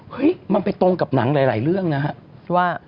เฮ้ยมันไปตรงกับหนังหลายเรื่องนะครับว่า